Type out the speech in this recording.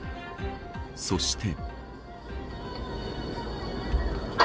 そして。